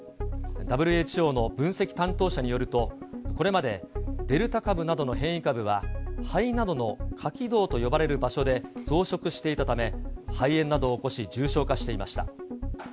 ＷＨＯの分析担当者によると、これまでデルタ株などの変異株は、肺などの下気道と呼ばれる場所で増殖していたため、肺炎などを起こし、重症化していました。